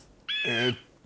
えっと。